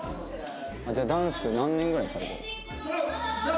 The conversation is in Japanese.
じゃあダンス何年ぐらいされてるんですか？